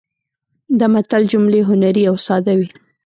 د متل جملې هنري او ساده وي